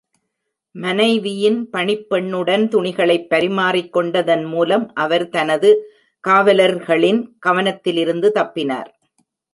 மனைவியின் பணிப்பெண்ணுடன் துணிகளைப் பரிமாறிக்கொண்டதன் மூலம், அவர் தனது காவலர்களின் கவனத்திலிருந்து தப்பினார்.